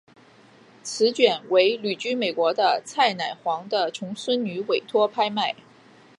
此卷为旅居美国的蔡乃煌的重孙女委托拍卖。